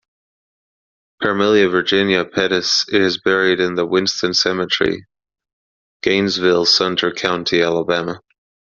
Permelia Virginia Pettus is buried in the Winston Cemetery, Gainesville Sumter County Alabama.